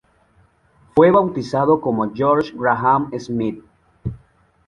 Fue bautizado como George Graham Smith.